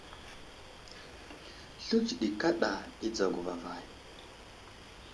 Sluwdji ɗi kaɗa i dzago vavay.